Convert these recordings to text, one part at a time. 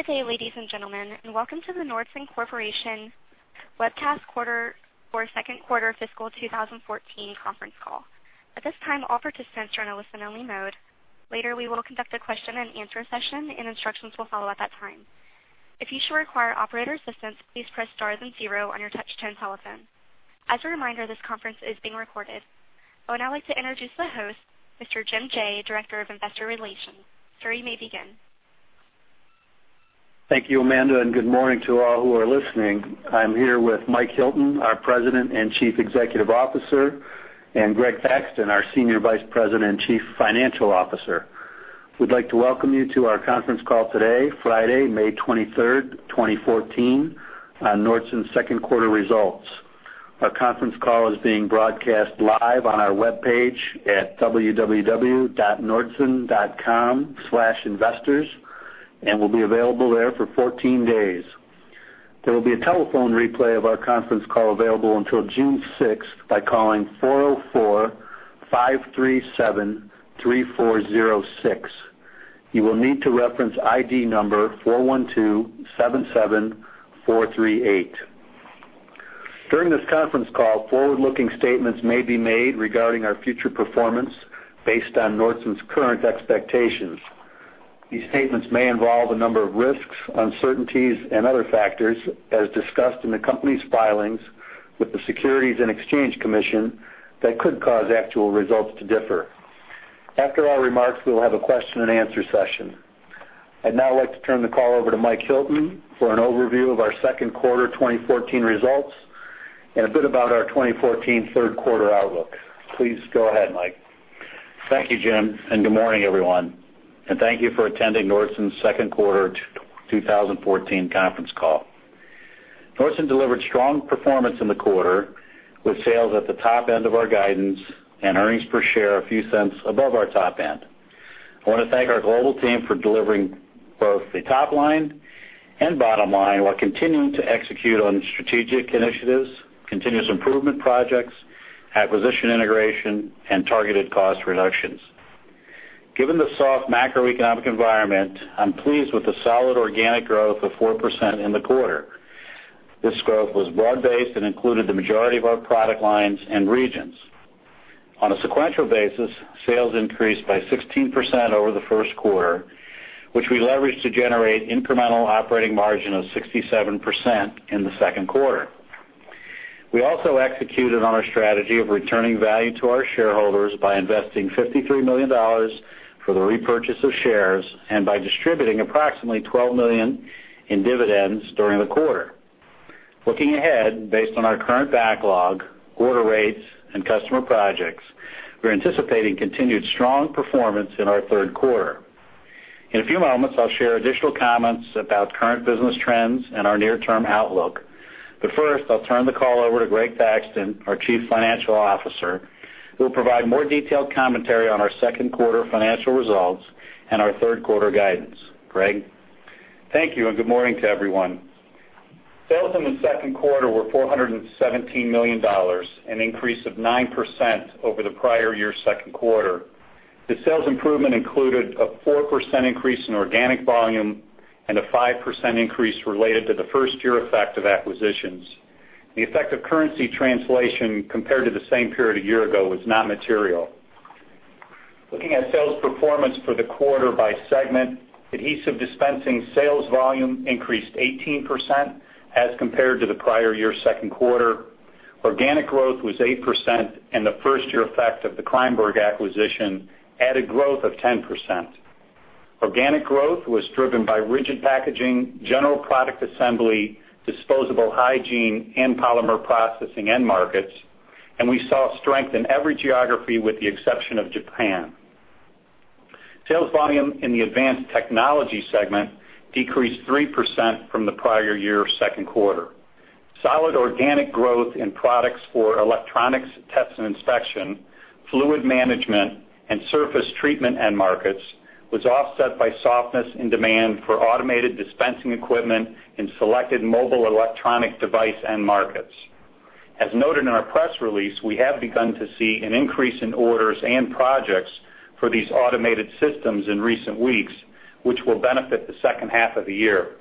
Good day, ladies and gentlemen, and welcome to the Nordson Corporation webcast for second quarter fiscal 2014 conference call. At this time, all participants are in a listen-only mode. Later, we will conduct a question-and-answer session and instructions will follow at that time. If you should require operator assistance, please press star then zero on your touch tone telephone. As a reminder, this conference is being recorded. I would now like to introduce the host, Mr. Jim Jaye, Director of Investor Relations. Sir, you may begin. Thank you, Amanda, and good morning to all who are listening. I'm here with Mike Hilton, our President and Chief Executive Officer, and Greg Thaxton, our Senior Vice President and Chief Financial Officer. We'd like to welcome you to our conference call today, Friday, May 23, 2014, on Nordson's second quarter results. Our conference call is being broadcast live on our webpage at www.nordson.com/investors and will be available there for 14 days. There will be a telephone replay of our conference call available until June 6 by calling 404-537-3406. You will need to reference ID number 41277438. During this conference call, forward-looking statements may be made regarding our future performance based on Nordson's current expectations. These statements may involve a number of risks, uncertainties, and other factors, as discussed in the company's filings with the Securities and Exchange Commission that could cause actual results to differ. After our remarks, we will have a question-and-answer session. I'd now like to turn the call over to Mike Hilton for an overview of our second quarter 2014 results and a bit about our 2014 third quarter outlook. Please go ahead, Mike. Thank you, Jim, and good morning, everyone, and thank you for attending Nordson's second quarter 2014 conference call. Nordson delivered strong performance in the quarter with sales at the top end of our guidance and earnings per share a few cents above our top end. I wanna thank our global team for delivering both the top line and bottom line while continuing to execute on strategic initiatives, continuous improvement projects, acquisition integration, and targeted cost reductions. Given the soft macroeconomic environment, I'm pleased with the solid organic growth of 4% in the quarter. This growth was broad-based and included the majority of our product lines and regions. On a sequential basis, sales increased by 16% over the first quarter, which we leveraged to generate incremental operating margin of 67% in the second quarter. We also executed on our strategy of returning value to our shareholders by investing $53 million for the repurchase of shares and by distributing approximately $12 million in dividends during the quarter. Looking ahead, based on our current backlog, order rates, and customer projects, we're anticipating continued strong performance in our third quarter. In a few moments, I'll share additional comments about current business trends and our near-term outlook. First, I'll turn the call over to Greg Thaxton, our Chief Financial Officer, who will provide more detailed commentary on our second quarter financial results and our third quarter guidance. Greg? Thank you and good morning to everyone. Sales in the second quarter were $417 million, an increase of 9% over the prior year's second quarter. The sales improvement included a 4% increase in organic volume and a 5% increase related to the first year effect of acquisitions. The effect of currency translation compared to the same period a year ago was not material. Looking at sales performance for the quarter by segment, Adhesive Dispensing sales volume increased 18% as compared to the prior year's second quarter. Organic growth was 8% and the first year effect of the Kreyenborg acquisition added growth of 10%. Organic growth was driven by rigid packaging, general product assembly, disposable hygiene, and polymer processing end markets, and we saw strength in every geography with the exception of Japan. Sales volume in the Advanced Technology segment decreased 3% from the prior year's second quarter. Solid organic growth in products for electronics test and inspection, fluid management, and surface treatment end markets was offset by softness in demand for automated dispensing equipment in selected mobile electronic device end markets. As noted in our press release, we have begun to see an increase in orders and projects for these automated systems in recent weeks, which will benefit the second half of the year.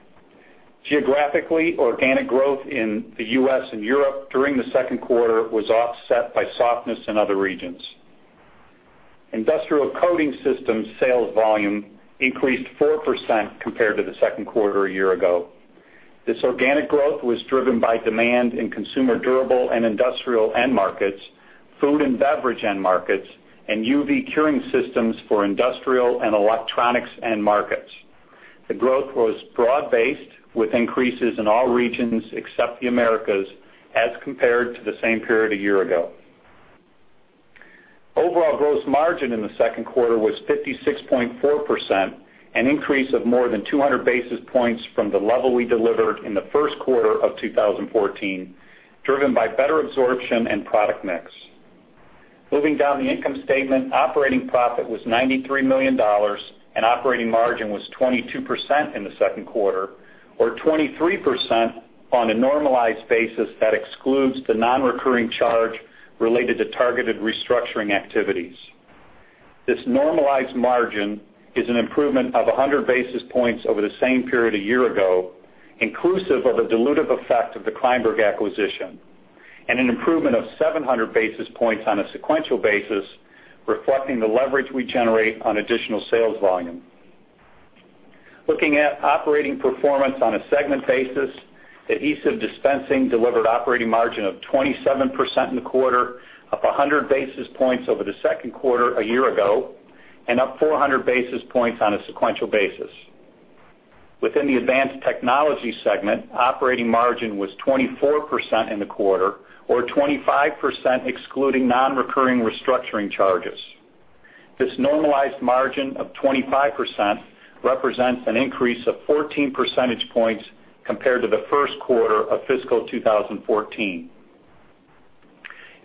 Geographically, organic growth in the U.S. and Europe during the second quarter was offset by softness in other regions. Industrial Coating Systems' sales volume increased 4% compared to the second quarter a year ago. This organic growth was driven by demand in consumer durable and industrial end markets, food and beverage end markets, and UV curing systems for industrial and electronics end markets. The growth was broad-based, with increases in all regions except the Americas as compared to the same period a year ago. Overall gross margin in the second quarter was 56.4%, an increase of more than 200 basis points from the level we delivered in the first quarter of 2014, driven by better absorption and product mix. Moving down the income statement, operating profit was $93 million and operating margin was 22% in the second quarter, or 23% on a normalized basis that excludes the non-recurring charge related to targeted restructuring activities. This normalized margin is an improvement of 100 basis points over the same period a year ago, inclusive of a dilutive effect of the Kreinberg acquisition, and an improvement of 700 basis points on a sequential basis, reflecting the leverage we generate on additional sales volume. Looking at operating performance on a segment basis, Adhesive Dispensing delivered operating margin of 27% in the quarter, up 100 basis points over the second quarter a year ago, and up 400 basis points on a sequential basis. Within the Advanced Technology segment, operating margin was 24% in the quarter, or 25% excluding non-recurring restructuring charges. This normalized margin of 25% represents an increase of 14 percentage points compared to the first quarter of fiscal 2014.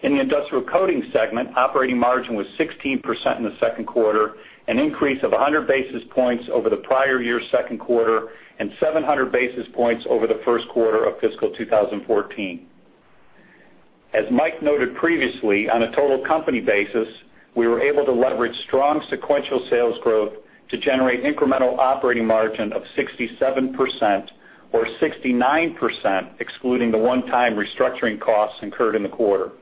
In the Industrial Coating segment, operating margin was 16% in the second quarter, an increase of 100 basis points over the prior year's second quarter and 700 basis points over the first quarter of fiscal 2014. As Mike noted previously, on a total company basis, we were able to leverage strong sequential sales growth to generate incremental operating margin of 67% or 69% excluding the one-time restructuring costs incurred in the quarter.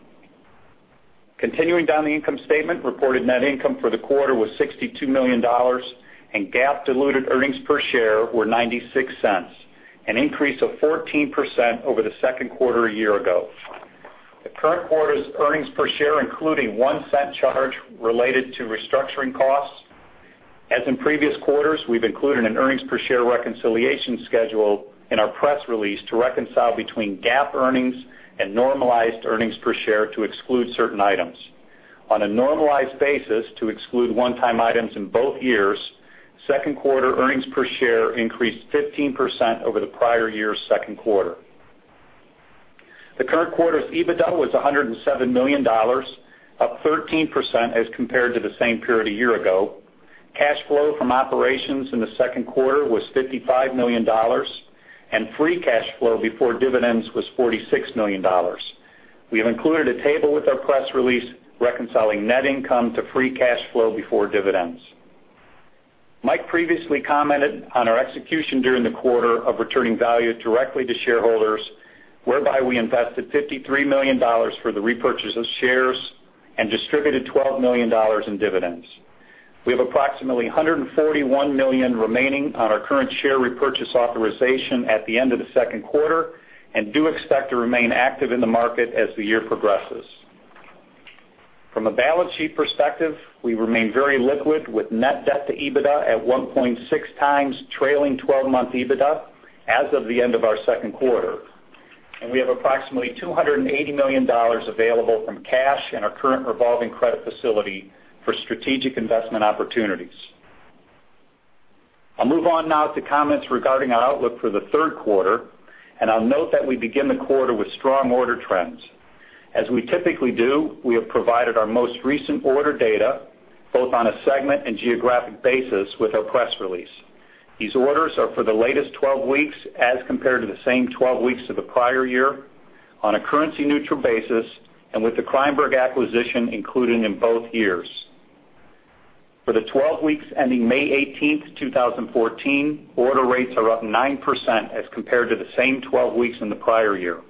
Continuing down the income statement, reported net income for the quarter was $62 million, and GAAP diluted earnings per share were $0.96, an increase of 14% over the second quarter a year ago. The current quarter's earnings per share include a $0.01 charge related to restructuring costs. As in previous quarters, we've included an earnings per share reconciliation schedule in our press release to reconcile between GAAP earnings and normalized earnings per share to exclude certain items. On a normalized basis, to exclude one-time items in both years, second quarter earnings per share increased 15% over the prior year's second quarter. The current quarter's EBITDA was $107 million, up 13% as compared to the same period a year ago. Cash flow from operations in the second quarter was $55 million, and free cash flow before dividends was $46 million. We have included a table with our press release reconciling net income to free cash flow before dividends. Mike previously commented on our execution during the quarter of returning value directly to shareholders, whereby we invested $53 million for the repurchase of shares and distributed $12 million in dividends. We have approximately $141 million remaining on our current share repurchase authorization at the end of the second quarter and do expect to remain active in the market as the year progresses. From a balance sheet perspective, we remain very liquid with net debt to EBITDA at 1.6x trailing twelve-month EBITDA as of the end of our second quarter, and we have approximately $280 million available from cash and our current revolving credit facility for strategic investment opportunities. I'll move on now to comments regarding our outlook for the third quarter, and I'll note that we begin the quarter with strong order trends. As we typically do, we have provided our most recent order data, both on a segment and geographic basis, with our press release. These orders are for the latest 12 weeks as compared to the same 12 weeks of the prior year on a currency-neutral basis and with the Kreinberg acquisition included in both years. For the 12 weeks ending May 18, 2014, order rates are up 9% as compared to the same 12 weeks in the prior year.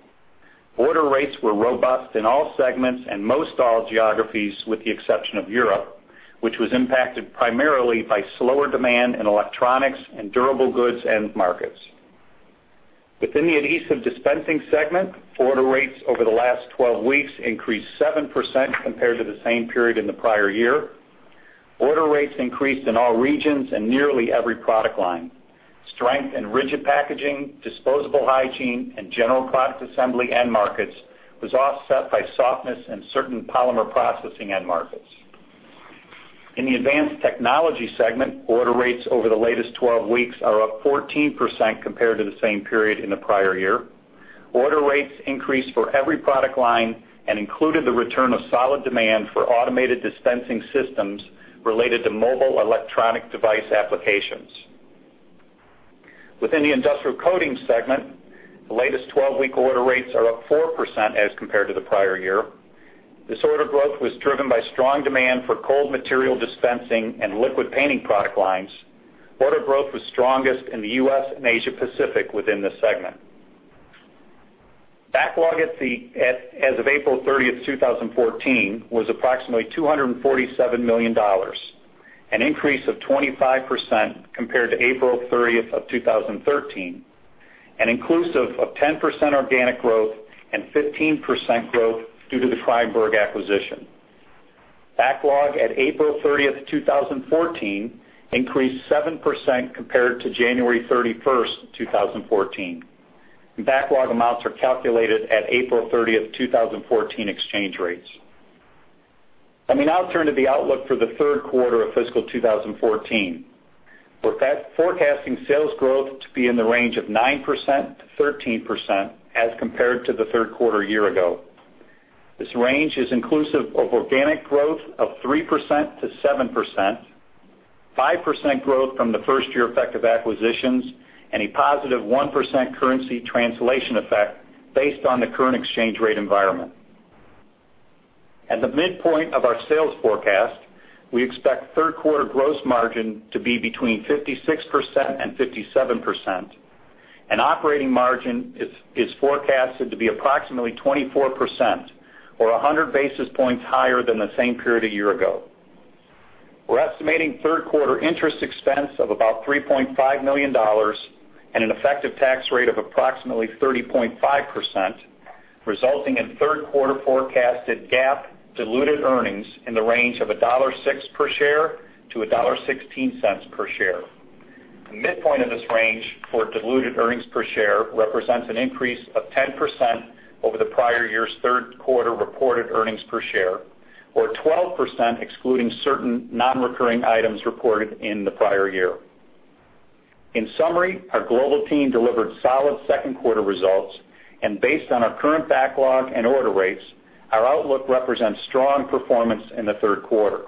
Order rates were robust in all segments and most all geographies, with the exception of Europe, which was impacted primarily by slower demand in electronics and durable goods end markets. Within the Adhesive Dispensing segment, order rates over the last 12 weeks increased 7% compared to the same period in the prior year. Order rates increased in all regions and nearly every product line. Strength in rigid packaging, disposable hygiene, and general product assembly end markets was offset by softness in certain polymer processing end markets. In the Advanced Technology segment, order rates over the latest 12 weeks are up 14% compared to the same period in the prior year. Order rates increased for every product line and included the return of solid demand for automated dispensing systems related to mobile electronic device applications. Within the Industrial Coating segment, the latest twelve-week order rates are up 4% as compared to the prior year. This order growth was driven by strong demand for cold material dispensing and liquid painting product lines. Order growth was strongest in the U.S. and Asia Pacific within this segment. Backlog as of April 30, 2014 was approximately $247 million, an increase of 25% compared to April 30, 2013, and inclusive of 10% organic growth and 15% growth due to the Kreinberg acquisition. Backlog as of April 30, 2014 increased 7% compared to January 31, 2014. The backlog amounts are calculated at April 30, 2014 exchange rates. Let me now turn to the outlook for the third quarter of fiscal 2014. We're forecasting sales growth to be in the range of 9%-13% as compared to the third quarter a year ago. This range is inclusive of organic growth of 3%-7%, 5% growth from the first year effect of acquisitions and a positive 1% currency translation effect based on the current exchange rate environment. At the midpoint of our sales forecast, we expect third quarter gross margin to be between 56% and 57%, and operating margin is forecasted to be approximately 24% or 100 basis points higher than the same period a year ago. We're estimating third quarter interest expense of about $3.5 million and an effective tax rate of approximately 30.5%, resulting in third quarter forecasted GAAP diluted earnings in the range of $1.06-$1.16 per share. The midpoint of this range for diluted earnings per share represents an increase of 10% over the prior year's third quarter reported earnings per share or 12% excluding certain non-recurring items reported in the prior year. In summary, our global team delivered solid second quarter results. Based on our current backlog and order rates, our outlook represents strong performance in the third quarter.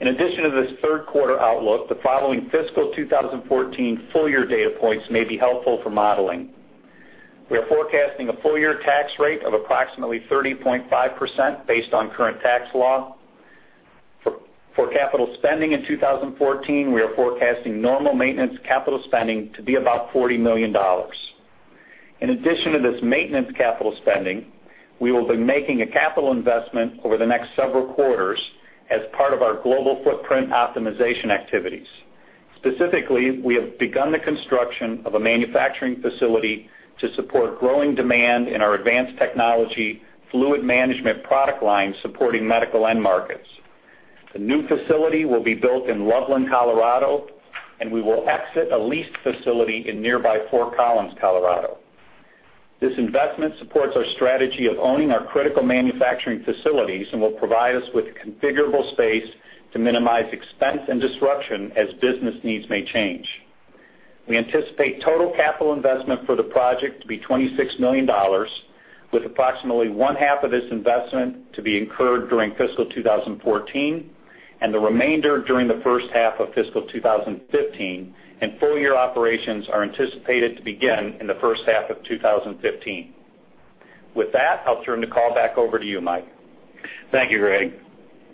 In addition to this third quarter outlook, the following fiscal 2014 full year data points may be helpful for modeling. We are forecasting a full year tax rate of approximately 30.5% based on current tax law. For capital spending in 2014, we are forecasting normal maintenance capital spending to be about $40 million. In addition to this maintenance capital spending, we will be making a capital investment over the next several quarters as part of our global footprint optimization activities. Specifically, we have begun the construction of a manufacturing facility to support growing demand in our advanced technology fluid management product line supporting medical end markets. The new facility will be built in Loveland, Colorado, and we will exit a leased facility in nearby Fort Collins, Colorado. This investment supports our strategy of owning our critical manufacturing facilities and will provide us with configurable space to minimize expense and disruption as business needs may change. We anticipate total capital investment for the project to be $26 million, with approximately one half of this investment to be incurred during fiscal 2014, and the remainder during the first half of fiscal 2015, and full year operations are anticipated to begin in the first half of 2015. With that, I'll turn the call back over to you, Mike. Thank you, Greg.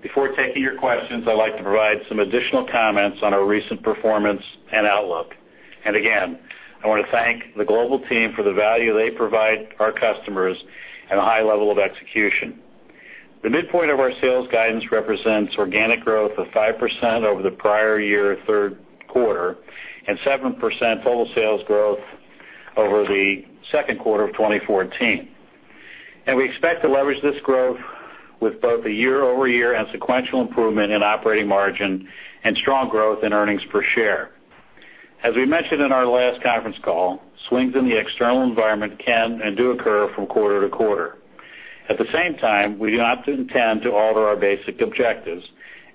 Before taking your questions, I'd like to provide some additional comments on our recent performance and outlook. Again, I wanna thank the global team for the value they provide our customers and a high level of execution. The midpoint of our sales guidance represents organic growth of 5% over the prior year third quarter and 7% total sales growth over the second quarter of 2014. We expect to leverage this growth with both a year-over-year and sequential improvement in operating margin and strong growth in earnings per share. As we mentioned in our last conference call, swings in the external environment can and do occur from quarter to quarter. At the same time, we do not intend to alter our basic objectives,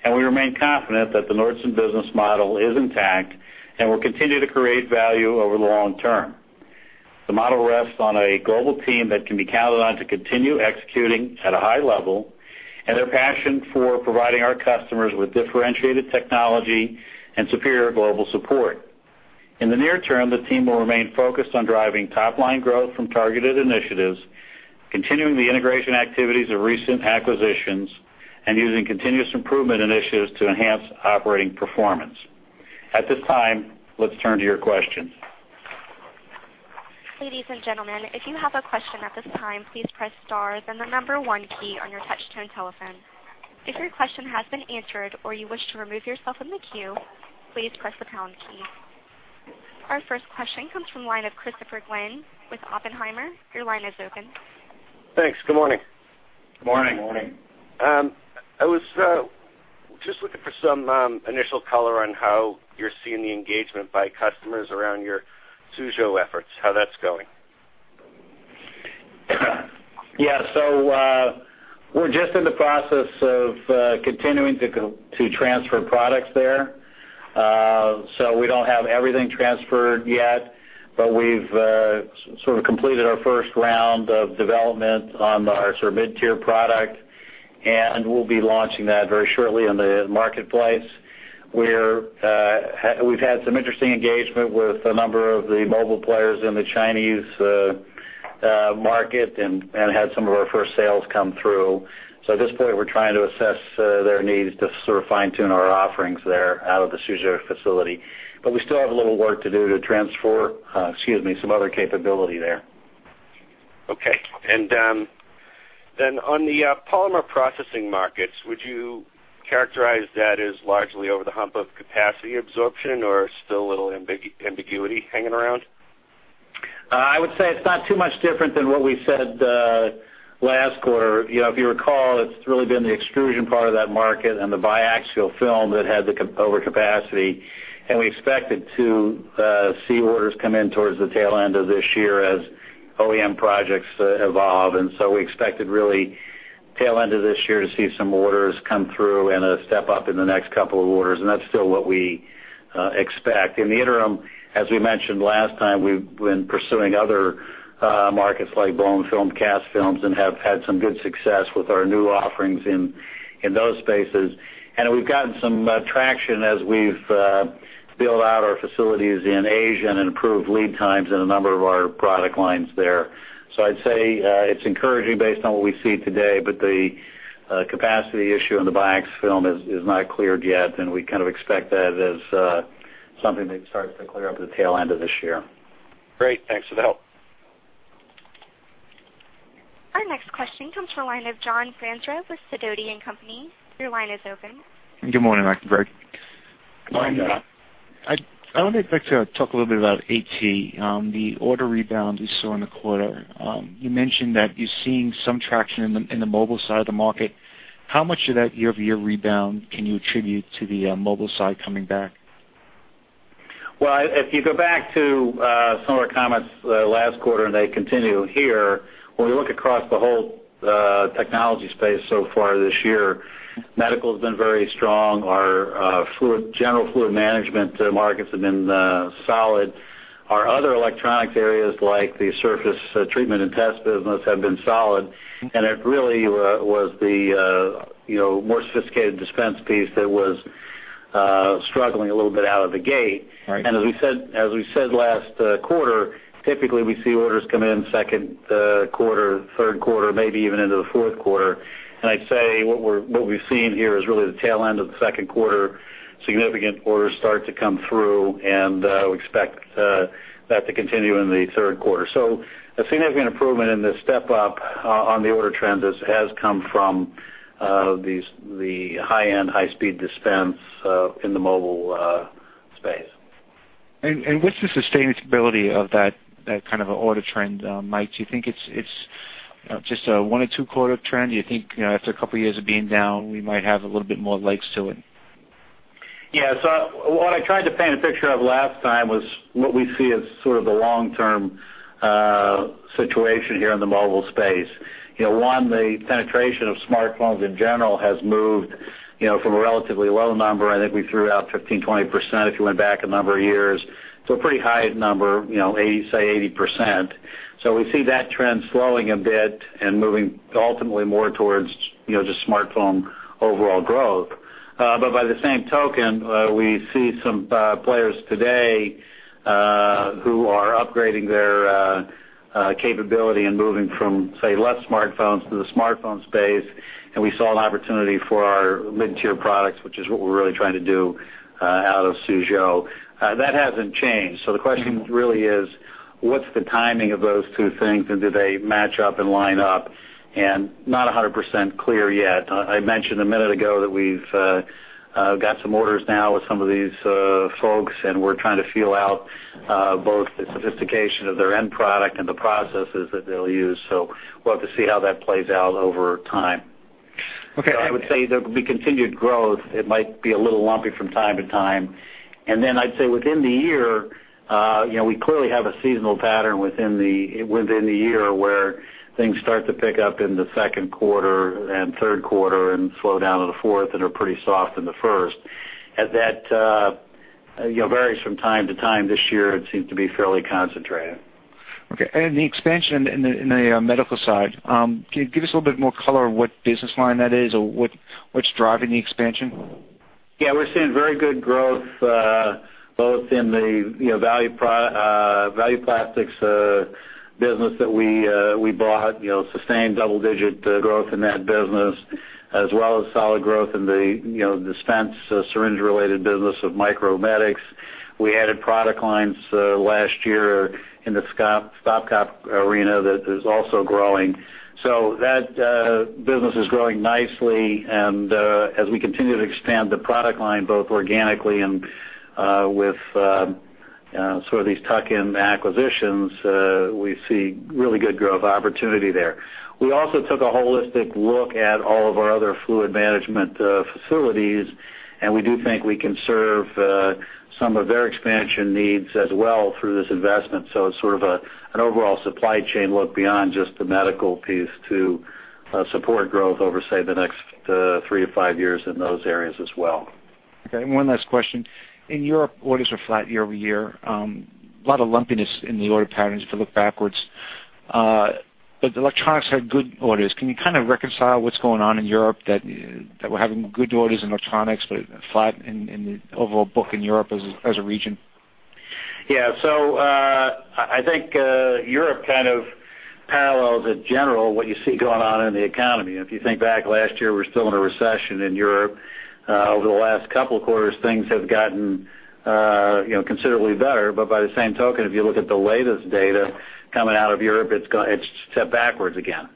and we remain confident that the Nordson business model is intact and will continue to create value over the long term. The model rests on a global team that can be counted on to continue executing at a high level and their passion for providing our customers with differentiated technology and superior global support. In the near term, the team will remain focused on driving top line growth from targeted initiatives, continuing the integration activities of recent acquisitions, and using continuous improvement initiatives to enhance operating performance. At this time, let's turn to your questions. Ladies and gentlemen, if you have a question at this time, please press star, then the number one key on your touch-tone telephone. If your question has been answered or you wish to remove yourself from the queue, please press the pound key. Our first question comes from the line of Christopher Glynn with Oppenheimer. Your line is open. Thanks. Good morning. Good morning. Good morning. I was just looking for some initial color on how you're seeing the engagement by customers around your Suzhou efforts, how that's going. Yeah. We're just in the process of continuing to transfer products there. We don't have everything transferred yet, but we've sort of completed our first round of development on our sort of mid-tier product, and we'll be launching that very shortly in the marketplace. We've had some interesting engagement with a number of the mobile players in the Chinese market and had some of our first sales come through. At this point, we're trying to assess their needs to sort of fine-tune our offerings there out of the Suzhou facility. We still have a little work to do to transfer some other capability there. On the polymer processing markets, would you characterize that as largely over the hump of capacity absorption, or still a little ambiguity hanging around? I would say it's not too much different than what we said last quarter. You know, if you recall, it's really been the extrusion part of that market and the biaxial film that had the overcapacity. We expected to see orders come in towards the tail end of this year as OEM projects evolve. We expected really tail end of this year to see some orders come through and a step up in the next couple of orders. That's still what we expect. In the interim, as we mentioned last time, we've been pursuing other markets like blown film, cast films, and have had some good success with our new offerings in those spaces. We've gotten some traction as we've built out our facilities in Asia and improved lead times in a number of our product lines there. I'd say it's encouraging based on what we see today, but the capacity issue in the biax film is not cleared yet, and we kind of expect that as something that starts to clear up at the tail end of this year. Great. Thanks for the help. Our next question comes from the line of John Franzreb with Sidoti & Company. Your line is open. Good morning, Mike and Greg. Good morning, John. I would like to talk a little bit about AT, the order rebound you saw in the quarter. You mentioned that you're seeing some traction in the mobile side of the market. How much of that year-over-year rebound can you attribute to the mobile side coming back? Well, if you go back to some of our comments last quarter, and they continue here, when we look across the whole technology space so far this year, medical has been very strong. Our general fluid management markets have been solid. Our other electronics areas, like the surface treatment and test business, have been solid. It really was the, you know, more sophisticated dispense piece that was struggling a little bit out of the gate. Right. As we said last quarter, typically we see orders come in second quarter, third quarter, maybe even into the fourth quarter. I'd say what we've seen here is really the tail end of the second quarter, significant orders start to come through, and we expect that to continue in the third quarter. A significant improvement in the step-up on the order trends has come from these the high-end, high-speed dispense in the mobile space. What's the sustainability of that kind of order trend, Mike? Do you think it's just a one or two quarter trend? Do you think after a couple of years of being down, we might have a little bit more legs to it? Yeah. What I tried to paint a picture of last time was what we see as sort of the long-term situation here in the mobile space. You know, one, the penetration of smartphones in general has moved, you know, from a relatively low number, I think we threw out 15%, 20% if you went back a number of years, to a pretty high number, you know, 80%, say 80%. We see that trend slowing a bit and moving ultimately more towards, you know, just smartphone overall growth. By the same token, we see some players today who are upgrading their capability and moving from, say, less smartphones to the smartphone space. We saw an opportunity for our mid-tier products, which is what we're really trying to do out of Suzhou. That hasn't changed. The question really is, what's the timing of those two things, and do they match up and line up? Not 100% clear yet. I mentioned a minute ago that we've got some orders now with some of these folks, and we're trying to feel out both the sophistication of their end product and the processes that they'll use. We'll have to see how that plays out over time. Okay. I would say there will be continued growth. It might be a little lumpy from time to time. I'd say within the year, you know, we clearly have a seasonal pattern within the year where things start to pick up in the second quarter and third quarter and slow down in the fourth and are pretty soft in the first. That, you know, varies from time to time. This year, it seems to be fairly concentrated. Okay. The expansion in the medical side, can you give us a little bit more color on what business line that is or what's driving the expansion? Yeah, we're seeing very good growth, both in the, you know, Value Plastics business that we bought, you know, sustained double-digit growth in that business, as well as solid growth in the, you know, dispense syringe-related business of Micromedics. We added product lines last year in the stopcock arena that is also growing. That business is growing nicely. As we continue to expand the product line, both organically and with sort of these tuck-in acquisitions, we see really good growth opportunity there. We also took a holistic look at all of our other fluid management facilities, and we do think we can serve some of their expansion needs as well through this investment. It's sort of an overall supply chain look beyond just the medical piece to support growth over, say, the next 3-5 years in those areas as well. Okay. One last question. In Europe, orders are flat year-over-year. A lot of lumpiness in the order patterns if you look backwards. The electronics had good orders. Can you kind of reconcile what's going on in Europe that we're having good orders in electronics, but flat in the overall book in Europe as a region? Yeah. I think Europe kind of parallels in general what you see going on in the economy. If you think back last year, we're still in a recession in Europe. Over the last couple of quarters, things have gotten, you know, considerably better. By the same token, if you look at the latest data coming out of Europe, it's stepped backwards again.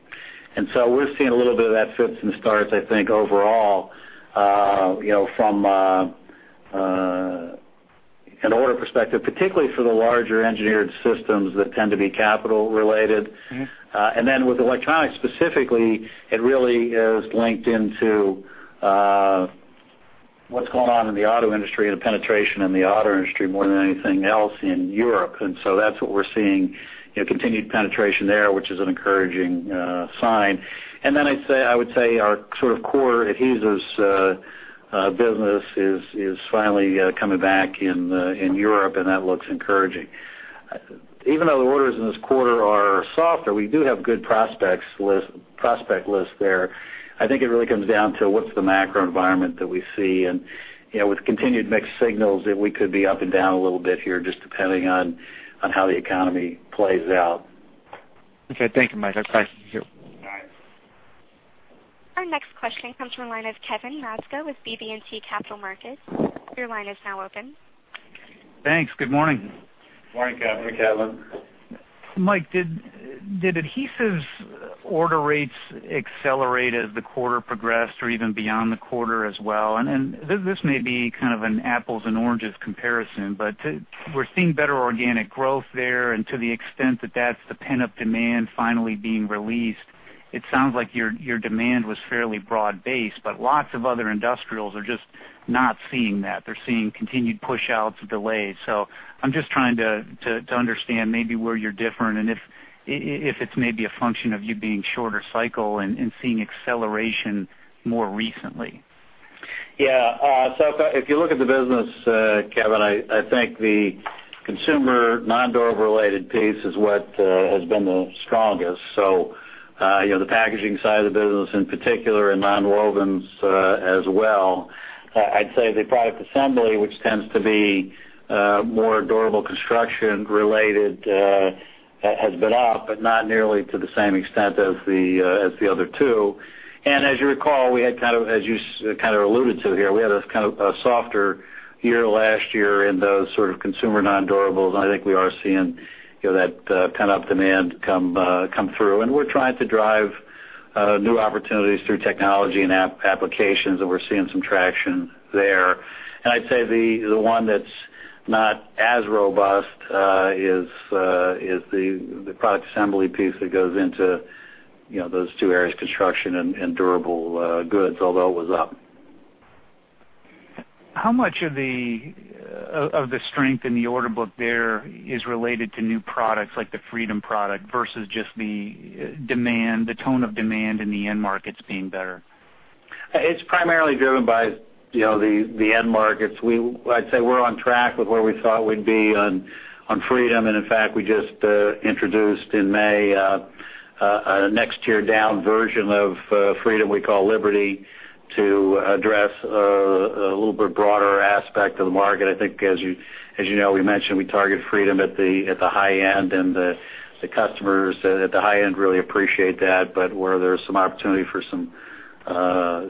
We're seeing a little bit of that fits and starts, I think, overall, you know, from an order perspective, particularly for the larger engineered systems that tend to be capital related. Mm-hmm. With electronics specifically, it really is linked into what's going on in the auto industry and the penetration in the auto industry more than anything else in Europe. That's what we're seeing, you know, continued penetration there, which is an encouraging sign. I would say our sort of core adhesives business is finally coming back in Europe, and that looks encouraging. Even though the orders in this quarter are softer, we do have good prospect list there. I think it really comes down to what's the macro environment that we see. With continued mixed signals that we could be up and down a little bit here, just depending on how the economy plays out. Okay. Thank you, Mike. I appreciate it. All right. Our next question comes from the line of Kevin Maczka with BB&T Capital Markets. Your line is now open. Thanks. Good morning. Morning, Kevin. Morning, Kevin. Mike, did adhesives order rates accelerate as the quarter progressed or even beyond the quarter as well? This may be kind of an apples and oranges comparison, but we're seeing better organic growth there and to the extent that that's the pent-up demand finally being released, it sounds like your demand was fairly broad-based, but lots of other industrials are just not seeing that. They're seeing continued pushouts and delays. I'm just trying to understand maybe where you're different and if it's maybe a function of you being shorter cycle and seeing acceleration more recently. Yeah. If you look at the business, Kevin, I think the consumer nondurable-related piece is what has been the strongest. You know, the packaging side of the business in particular and nonwovens, as well. I'd say the product assembly, which tends to be more durable construction related, has been up, but not nearly to the same extent as the other two. As you recall, we had kind of, as you kind of alluded to here, we had kind of a softer year last year in the sort of consumer nondurables, and I think we are seeing, you know, that pent-up demand come through. We're trying to drive new opportunities through technology and applications, and we're seeing some traction there. I'd say the one that's not as robust is the product assembly piece that goes into, you know, those two areas, construction and durable goods, although it was up. How much of the strength in the order book there is related to new products like the Freedom product versus just the demand, the tone of demand in the end markets being better? It's primarily driven by, you know, the end markets. I'd say we're on track with where we thought we'd be on Freedom, and in fact, we just introduced in May a next tier down version of Freedom we call Liberty to address a little bit broader aspect of the market. I think, as you know, we mentioned we target Freedom at the high end, and the customers at the high end really appreciate that. But where there's some opportunity for some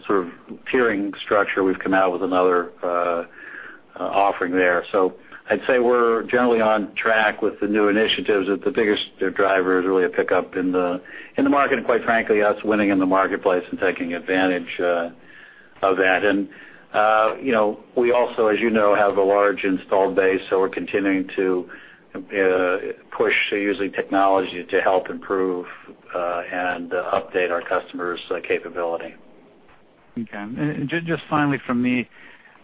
sort of tiering structure, we've come out with another offering there. I'd say we're generally on track with the new initiatives. The biggest driver is really a pickup in the market, and quite frankly, us winning in the marketplace and taking advantage of that. You know, we also, as you know, have a large installed base, so we're continuing to push to using technology to help improve and update our customers' capability. Okay. Just finally from me,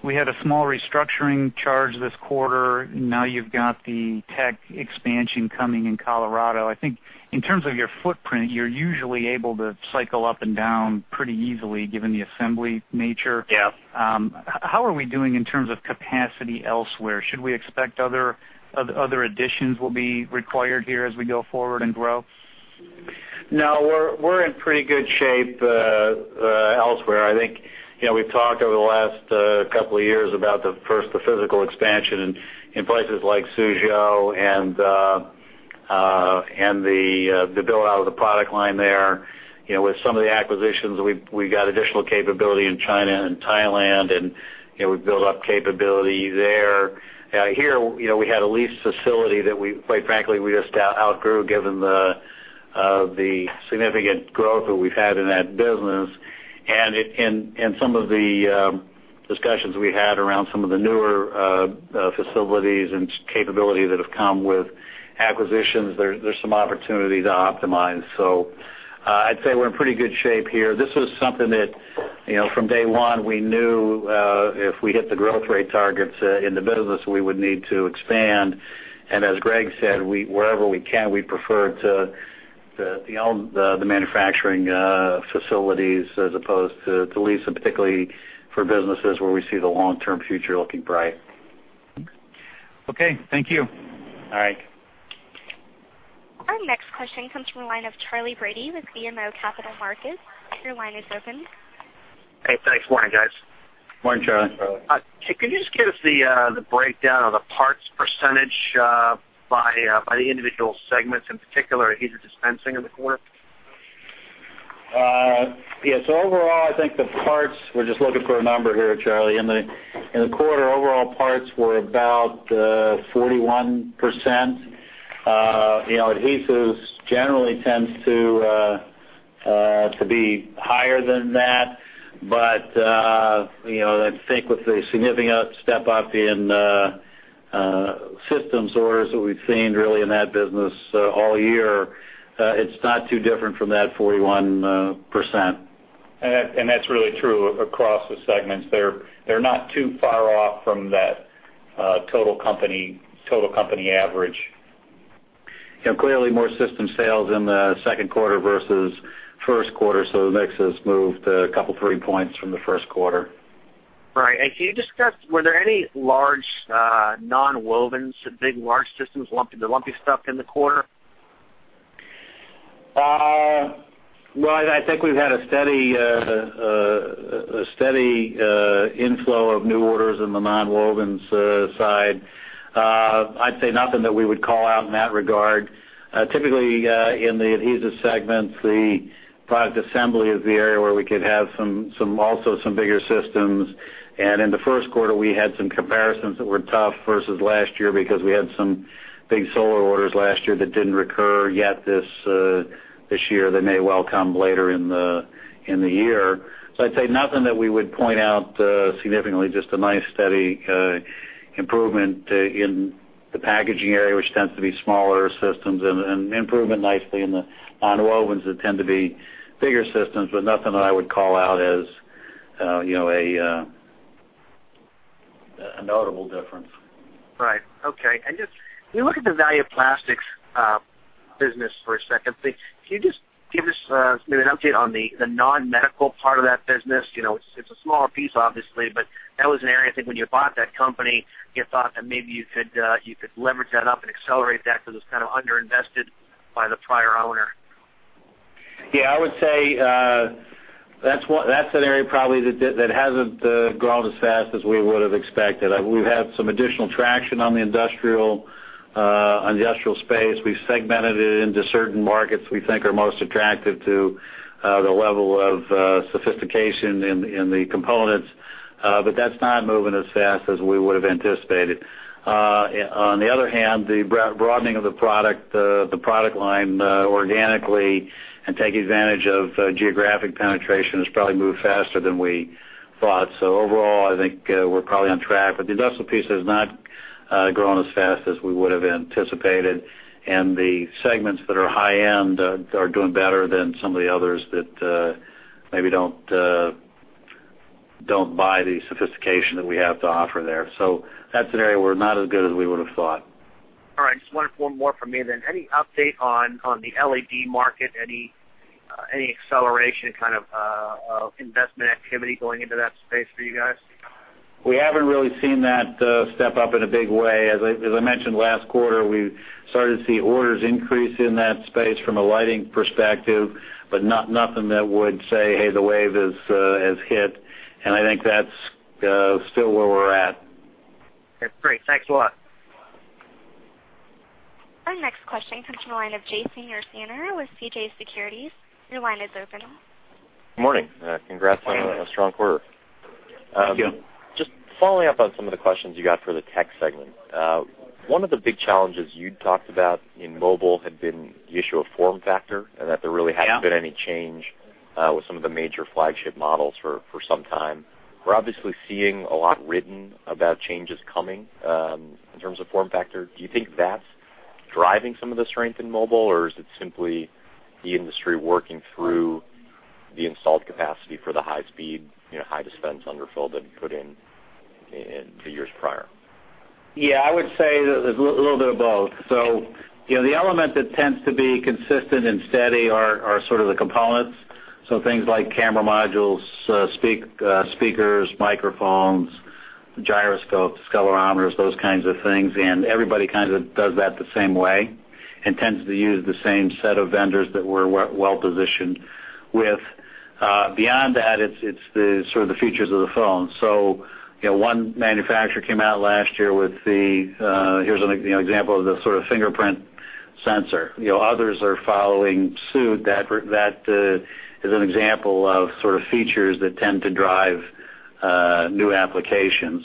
we had a small restructuring charge this quarter. Now you've got the tech expansion coming in Colorado. I think in terms of your footprint, you're usually able to cycle up and down pretty easily, given the assembly nature. Yeah. How are we doing in terms of capacity elsewhere? Should we expect other additions will be required here as we go forward and grow? No, we're in pretty good shape elsewhere. I think, you know, we've talked over the last couple of years about the physical expansion in places like Suzhou and the build-out of the product line there. You know, with some of the acquisitions, we've got additional capability in China and Thailand and, you know, we've built up capability there. Here, you know, we had a leased facility that we, quite frankly, just outgrew given the significant growth that we've had in that business. It and some of the discussions we had around some of the newer facilities and capability that have come with acquisitions, there's some opportunity to optimize. I'd say we're in pretty good shape here. This was something that, you know, from day one, we knew if we hit the growth rate targets in the business, we would need to expand. As Greg said, wherever we can, we prefer to own the manufacturing facilities as opposed to lease, and particularly for businesses where we see the long-term future looking bright. Okay. Thank you. All right. Our next question comes from the line of Charlie Brady with BMO Capital Markets. Your line is open. Hey, thanks. Morning, guys. Morning, Charlie. Can you just give us the breakdown of the parts percentage by the individual segments, in particular Adhesive Dispensing in the quarter? Yes. Overall, I think the parts, we're just looking for a number here, Charlie. In the quarter, overall parts were about 41%. You know, adhesives generally tends to be higher than that. You know, I think with the significant step up in systems orders that we've seen really in that business all year, it's not too different from that 41%. That's really true across the segments. They're not too far off from that total company average. You know, clearly more system sales in the second quarter versus first quarter. The mix has moved a couple three points from the first quarter. Right. Can you discuss, were there any large, nonwovens, big large systems, lumpy, the lumpy stuff in the quarter? Well, I think we've had a steady inflow of new orders in the nonwovens side. I'd say nothing that we would call out in that regard. Typically, in the adhesives segment, the product assembly is the area where we could have some bigger systems. In the first quarter, we had some comparisons that were tough versus last year because we had some big solar orders last year that didn't recur yet this year. They may well come later in the year. I'd say nothing that we would point out significantly, just a nice steady improvement in the packaging area, which tends to be smaller systems and improvement nicely in the nonwovens that tend to be bigger systems, but nothing that I would call out as, you know, a notable difference. Right. Okay. Just when you look at the value of plastics business for a second, can you just give us maybe an update on the non-medical part of that business? You know, it's a smaller piece, obviously, but that was an area I think when you bought that company, you thought that maybe you could leverage that up and accelerate that because it was kind of underinvested by the prior owner. Yeah, I would say, that's an area probably that hasn't grown as fast as we would have expected. We've had some additional traction on the industrial space. We've segmented it into certain markets we think are most attractive to the level of sophistication in the components. That's not moving as fast as we would have anticipated. On the other hand, the broadening of the product, the product line organically and take advantage of geographic penetration has probably moved faster than we thought. Overall, I think, we're probably on track, but the industrial piece has not grown as fast as we would have anticipated. The segments that are high end are doing better than some of the others that maybe don't buy the sophistication that we have to offer there. That's an area where not as good as we would have thought. All right. Just one more from me then. Any update on the LED market? Any acceleration kind of investment activity going into that space for you guys? We haven't really seen that step up in a big way. As I mentioned last quarter, we started to see orders increase in that space from a lighting perspective, but nothing that would say, "Hey, the wave has hit." I think that's still where we're at. Okay, great. Thanks a lot. Our next question comes from the line of Jason Ursaner with CJS Securities. Your line is open. Good morning. Congrats on a strong quarter. Thank you. Just following up on some of the questions you got for the tech segment. One of the big challenges you talked about in mobile had been the issue of form factor, and that there really Yeah. Hadn't been any change with some of the major flagship models for some time. We're obviously seeing a lot written about changes coming in terms of form factor. Do you think that's driving some of the strength in mobile, or is it simply the industry working through the installed capacity for the high speed, you know, high dispense underfill that you put in in the years prior? I would say that there's a little bit of both. You know, the element that tends to be consistent and steady are sort of the components. Things like camera modules, speakers, microphones, gyroscopes, accelerometers, those kinds of things. Everybody kind of does that the same way and tends to use the same set of vendors that we're well positioned with. Beyond that, it's the sort of the features of the phone. You know, one manufacturer came out last year with the here's an example of the sort of fingerprint sensor. You know, others are following suit. That is an example of sort of features that tend to drive new applications.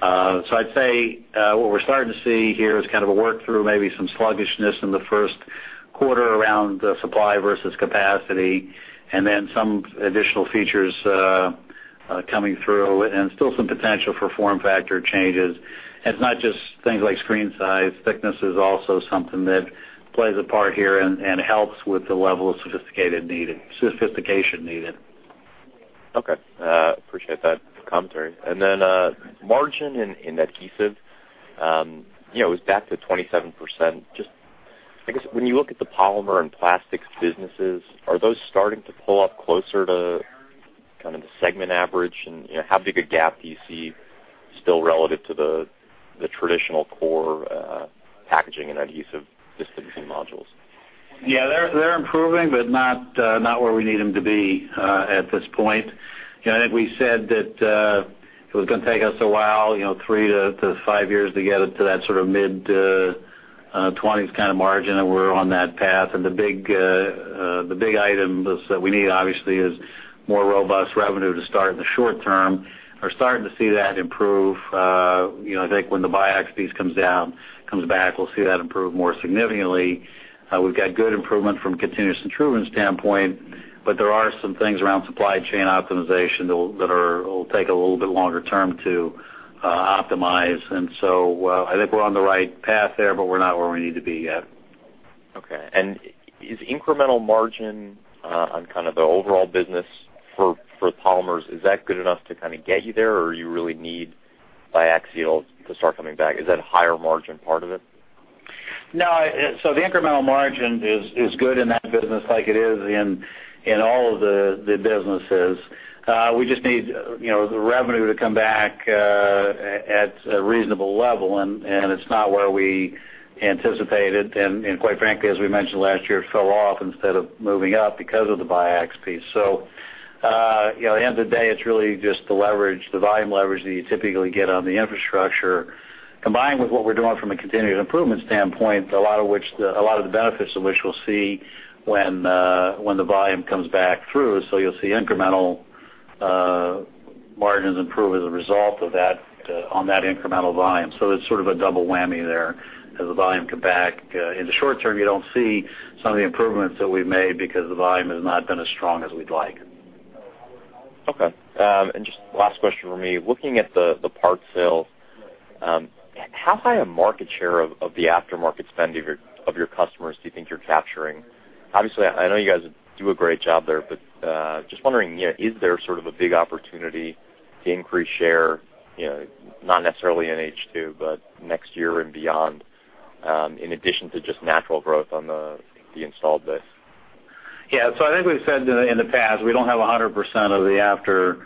I'd say what we're starting to see here is kind of a work through, maybe some sluggishness in the first quarter around the supply versus capacity, and then some additional features coming through and still some potential for form factor changes. It's not just things like screen size. Thickness is also something that plays a part here and helps with the level of sophistication needed. Okay. Appreciate that commentary. Margin in adhesive, you know, is back to 27%. Just, I guess, when you look at the polymer and plastics businesses, are those starting to pull up closer to kind of the segment average? You know, how big a gap do you see still relative to the traditional core, packaging and adhesive systems and modules? Yeah, they're improving, but not where we need them to be at this point. You know, I think we said that it was gonna take us a while, you know, 3-5 years to get it to that sort of mid-20s% kind of margin. We're on that path. The big item is that we need, obviously, more robust revenue to start in the short term. We're starting to see that improve. You know, I think when the biax piece comes back, we'll see that improve more significantly. We've got good improvement from continuous extrusion standpoint. There are some things around supply chain optimization that will take a little bit longer term to optimize. I think we're on the right path there, but we're not where we need to be yet. Okay. Is incremental margin on kind of the overall business for polymers good enough to kind of get you there or you really need biaxial to start coming back? Is that higher margin part of it? No, so the incremental margin is good in that business like it is in all of the businesses. We just need, you know, the revenue to come back at a reasonable level, and it's not where we anticipated. Quite frankly, as we mentioned last year, it fell off instead of moving up because of the biax piece. You know, at the end of the day, it's really just the leverage, the volume leverage that you typically get on the infrastructure combined with what we're doing from a continued improvement standpoint, a lot of the benefits of which we'll see when the volume comes back through. You'll see incremental margins improve as a result of that on that incremental volume. It's sort of a double whammy there as the volume come back. In the short term, you don't see some of the improvements that we've made because the volume has not been as strong as we'd like. Okay. Just last question from me. Looking at the parts sales, how high a market share of the aftermarket spend of your customers do you think you're capturing? Obviously, I know you guys do a great job there, but just wondering, you know, is there sort of a big opportunity to increase share, you know, not necessarily in H2, but next year and beyond, in addition to just natural growth on the installed base? Yeah. I think we've said in the past, we don't have 100% of the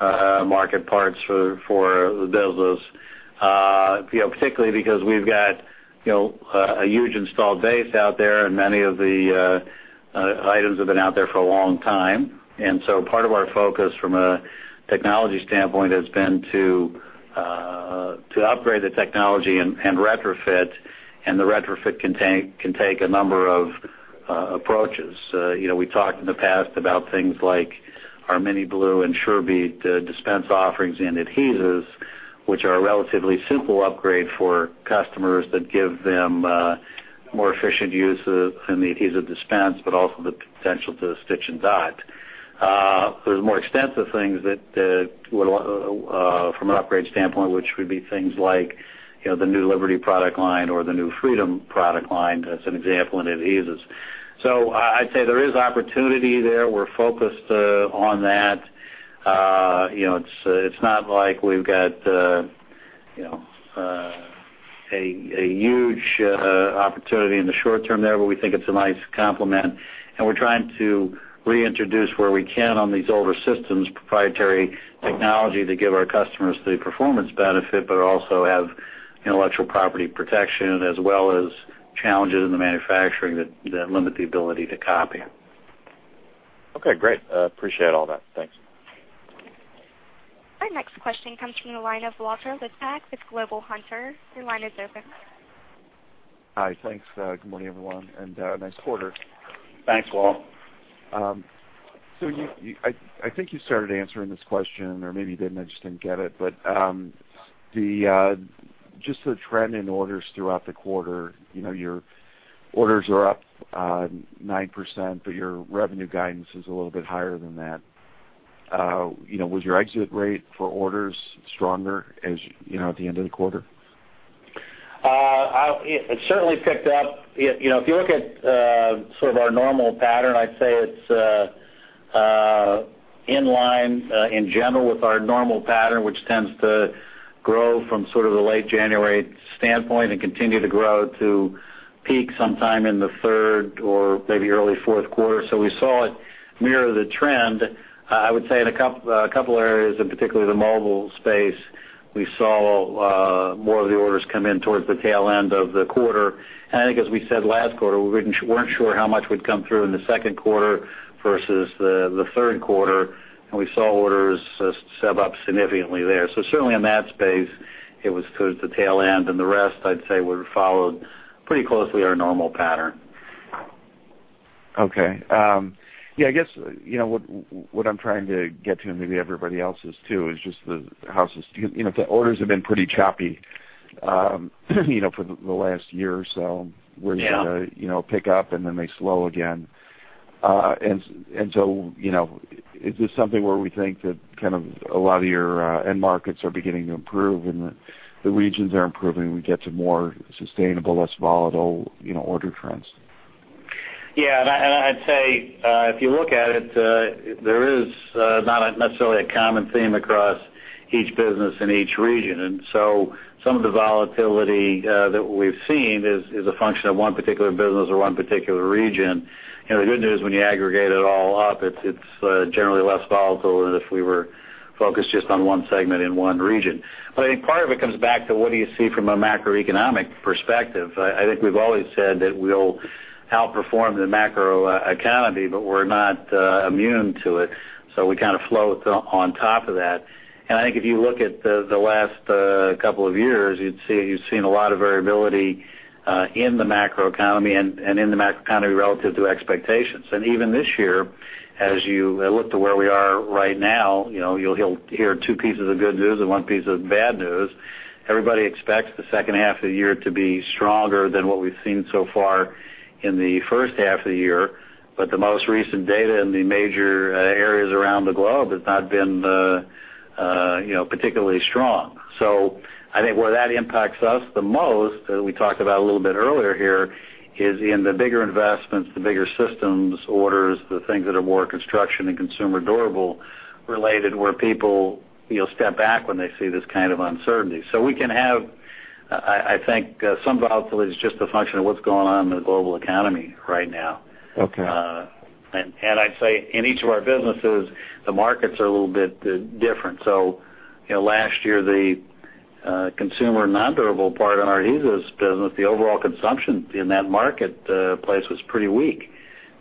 aftermarket parts for the business, you know, particularly because we've got, you know, a huge installed base out there, and many of the items have been out there for a long time. Part of our focus from a technology standpoint has been to upgrade the technology and retrofit, and the retrofit can take a number of approaches. You know, we talked in the past about things like our MiniBlue and SureBead dispensing offerings and adhesives, which are a relatively simple upgrade for customers that give them more efficient use of an adhesive dispensing, but also the potential to stitch and dot. There's more extensive things that from an upgrade standpoint, which would be things like, you know, the new Liberty product line or the new Freedom product line as an example in adhesives. I'd say there is opportunity there. We're focused on that. You know, it's not like we've got, you know, a huge opportunity in the short term there, but we think it's a nice complement. We're trying to reintroduce where we can on these older systems, proprietary technology to give our customers the performance benefit, but also have intellectual property protection as well as challenges in the manufacturing that limit the ability to copy. Okay, great. Appreciate all that. Thanks. Our next question comes from the line of Walter Liptak with Global Hunter Securities. Your line is open. Hi. Thanks. Good morning, everyone, and nice quarter. Thanks, Walt. I think you started answering this question or maybe you didn't. I just didn't get it. Just the trend in orders throughout the quarter, you know, your orders are up 9%, but your revenue guidance is a little bit higher than that. You know, was your exit rate for orders stronger, as you know, at the end of the quarter? It certainly picked up. You know, if you look at sort of our normal pattern, I'd say it's in line in general with our normal pattern, which tends to grow from sort of the late January standpoint and continue to grow to peak sometime in the third or maybe early fourth quarter. We saw it mirror the trend. I would say in a couple areas, in particular the mobile space, we saw more of the orders come in towards the tail end of the quarter. I think as we said last quarter, we weren't sure how much would come through in the second quarter versus the third quarter, and we saw orders step up significantly there. Certainly in that space, it was towards the tail end, and the rest, I'd say, we followed pretty closely our normal pattern. Okay. Yeah, I guess, you know, what I'm trying to get to, and maybe everybody else is too, is just, you know, the orders have been pretty choppy, you know, for the last year or so. Yeah. Where they you know pick up and then they slow again. You know, is this something where we think that kind of a lot of your end markets are beginning to improve and the regions are improving, we get to more sustainable, less volatile, you know, order trends? Yeah. I'd say, if you look at it, there is not necessarily a common theme across each business in each region. Some of the volatility that we've seen is a function of one particular business or one particular region. You know, the good news, when you aggregate it all up, it's generally less volatile than if we were focused just on one segment in one region. I think part of it comes back to what do you see from a macroeconomic perspective. I think we've always said that we'll outperform the macro economy, but we're not immune to it, so we kind of float on top of that. I think if you look at the last couple of years, you've seen a lot of variability in the macroeconomy relative to expectations. Even this year, as you look to where we are right now, you know, you'll hear two pieces of good news and one piece of bad news. Everybody expects the second half of the year to be stronger than what we've seen so far in the first half of the year. The most recent data in the major areas around the globe has not been, you know, particularly strong. I think where that impacts us the most, we talked about a little bit earlier here, is in the bigger investments, the bigger systems, orders, the things that are more construction and consumer durable related, where people, you'll step back when they see this kind of uncertainty. We can have, I think, some volatility is just a function of what's going on in the global economy right now. Okay. I'd say, in each of our businesses, the markets are a little bit different. You know, last year, the consumer nondurable part in our adhesives business, the overall consumption in that marketplace was pretty weak.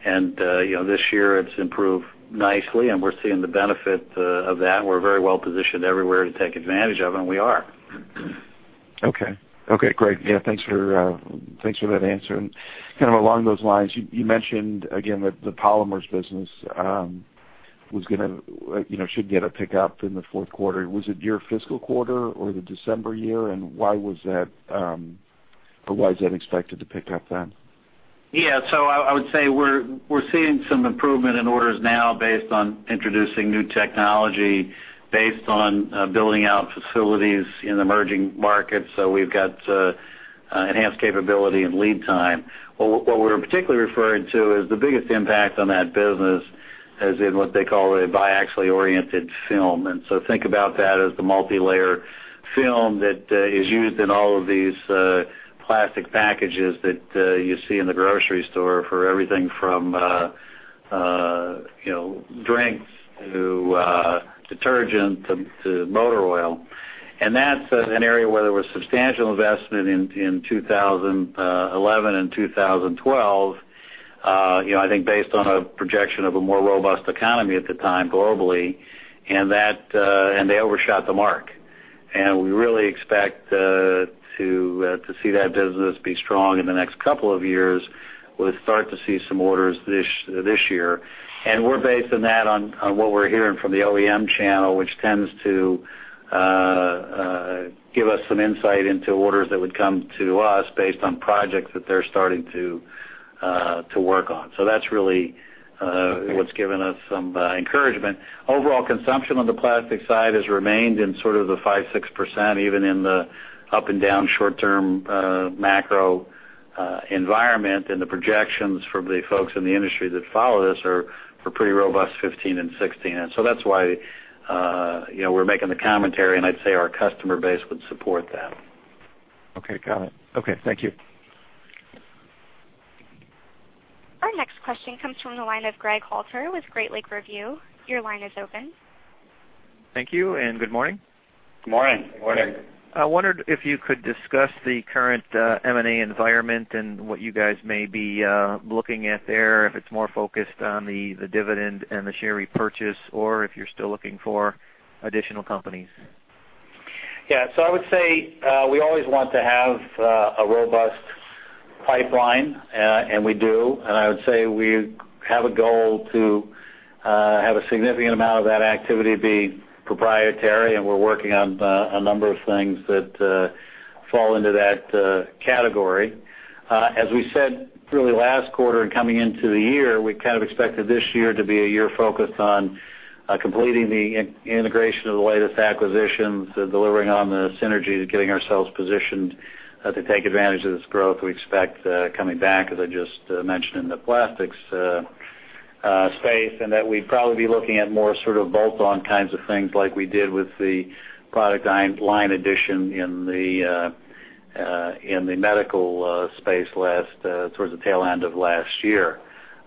You know, this year it's improved nicely, and we're seeing the benefit of that, and we're very well positioned everywhere to take advantage of it, and we are. Okay. Okay, great. Yeah, thanks for that answer. Kind of along those lines, you mentioned again that the polymers business was gonna, you know, should get a pickup in the fourth quarter. Was it your fiscal quarter or the December year, and why was that, or why is that expected to pick up then? Yeah. I would say we're seeing some improvement in orders now based on introducing new technology, based on building out facilities in emerging markets. We've got enhanced capability and lead time. What we're particularly referring to is the biggest impact on that business is in what they call a biaxially oriented film. Think about that as the multilayer film that is used in all of these plastic packages that you see in the grocery store for everything from you know drinks to detergent to motor oil. That's an area where there was substantial investment in 2011 and 2012 you know I think based on a projection of a more robust economy at the time globally and they overshot the mark. We really expect to see that business be strong in the next couple of years. We'll start to see some orders this year. We're basing that on what we're hearing from the OEM channel, which tends to give us some insight into orders that would come to us based on projects that they're starting to work on. That's really what's given us some encouragement. Overall consumption on the plastic side has remained in sort of the 5%-6%, even in the up and down short-term macro environment. The projections from the folks in the industry that follow this are for pretty robust 2015 and 2016. That's why, you know, we're making the commentary, and I'd say our customer base would support that. Okay, got it. Okay, thank you. Our next question comes from the line of Greg Halter with Great Lakes Review. Your line is open. Thank you and good morning. Good morning. Good morning. I wondered if you could discuss the current M&A environment and what you guys may be looking at there, if it's more focused on the dividend and the share repurchase, or if you're still looking for additional companies? Yeah. I would say we always want to have a robust pipeline. We do. I would say we have a goal to have a significant amount of that activity be proprietary, and we're working on a number of things that fall into that category. As we said really last quarter and coming into the year, we kind of expected this year to be a year focused on completing the integration of the latest acquisitions, delivering on the synergies, getting ourselves positioned to take advantage of this growth we expect coming back, as I just mentioned, in the plastics space. That we'd probably be looking at more sort of bolt-on kinds of things like we did with the product line addition in the medical space last towards the tail end of last year.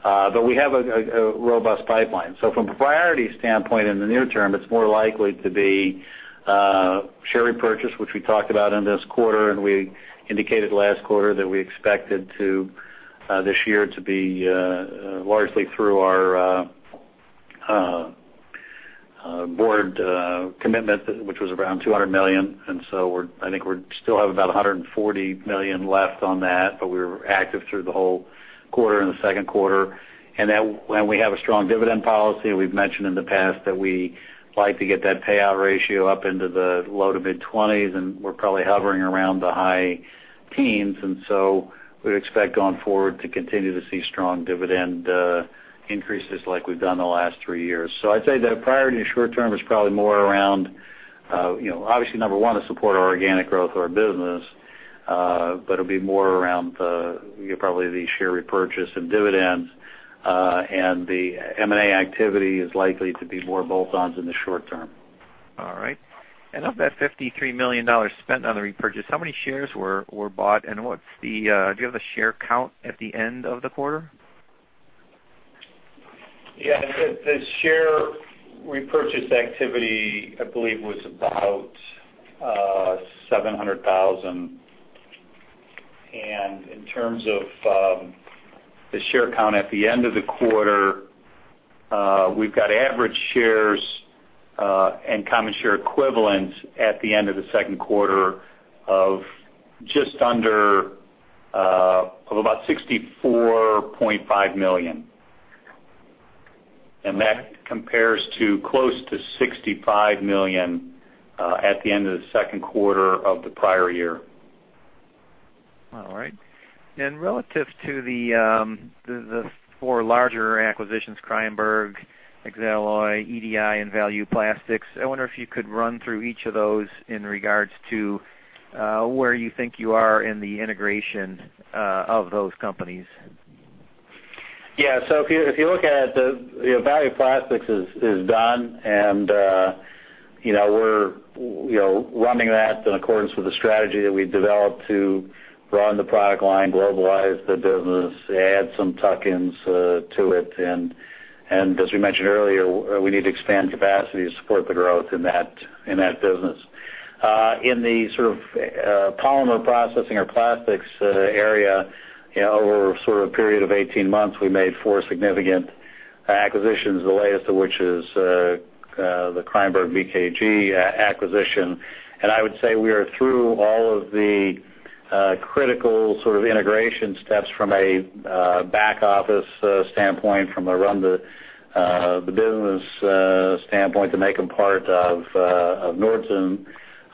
We have a robust pipeline. From a priority standpoint in the near term, it's more likely to be share repurchase, which we talked about in this quarter, and we indicated last quarter that we expected to this year to be largely through our board commitment, which was around $200 million. We still have about $140 million left on that, but we're active through the whole quarter, in the second quarter. When we have a strong dividend policy, we've mentioned in the past that we like to get that payout ratio up into the low- to mid-20s, and we're probably hovering around the high teens. We'd expect going forward to continue to see strong dividend increases like we've done the last three years. I'd say the priority short term is probably more around, you know, obviously, number one, to support our organic growth of our business. But it'll be more around the, probably the share repurchase and dividends. The M&A activity is likely to be more bolt-ons in the short term. All right. Of that $53 million spent on the repurchase, how many shares were bought, and what's the, do you have the share count at the end of the quarter? Yeah. The share repurchase activity, I believe, was about 700,000. In terms of the share count at the end of the quarter, we've got average shares and common share equivalents at the end of the second quarter of just under of about 64.5 million. That compares to close to 65 million at the end of the second quarter of the prior year. All right. Relative to the four larger acquisitions, Kreyenborg, Xaloy, EDI, and Value Plastics, I wonder if you could run through each of those in regards to where you think you are in the integration of those companies. Yeah. If you look at the, you know, Value Plastics is done. You know, we're running that in accordance with the strategy that we developed to run the product line, globalize the business, add some tuck-ins to it. As we mentioned earlier, we need to expand capacity to support the growth in that business. In the sort of polymer processing or plastics area, you know, over sort of a period of 18 months, we made four significant acquisitions, the latest of which is the Kreyenborg BKG acquisition. I would say we are through all of the critical sort of integration steps from a back office standpoint, from a run the business standpoint to make them part of Nordson.